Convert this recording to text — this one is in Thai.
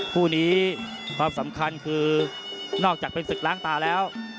คู่นี้ความสำคัญคือนอกจากเป็นศึกล้างตาแล้ว